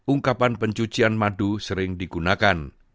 ungkapan pencucian madu sering digunakan